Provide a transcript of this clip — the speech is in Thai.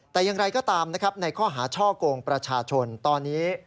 แต่อย่างไรก็ตามนะครับในข้อหาช่อกงประชาชนตอนนี้